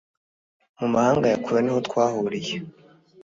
mu mahanga ya kure niho twahuriye